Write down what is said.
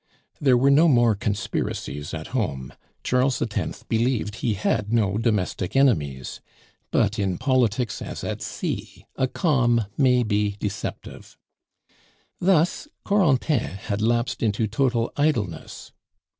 There were no more conspiracies at home; Charles X. believed he had no domestic enemies. But in politics, as at sea, a calm may be deceptive. Thus Corentin had lapsed into total idleness.